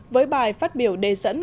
với bài phát biểu đề dẫn